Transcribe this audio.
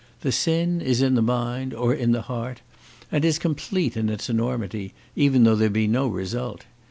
The sin is in the mind, or in the heart, and is complete in its enormity, even though there be no result.